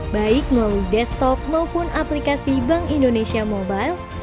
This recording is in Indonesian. baik melalui desktok maupun aplikasi bank indonesia mobile